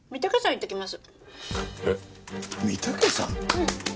うん。